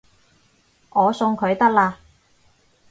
我送佢得喇